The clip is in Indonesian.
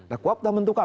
nah kuwab sudah mentukar